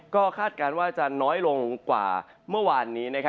ก็คาดการณ์ว่าจะน้อยลงกว่าเมื่อวานนี้